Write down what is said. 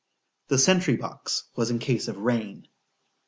——The sentry box was in case of rain.